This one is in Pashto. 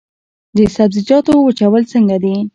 د سبزیجاتو وچول څنګه دي؟